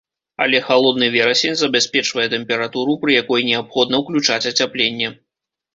Але халодны верасень забяспечвае тэмпературу, пры якой неабходна ўключаць ацяпленне.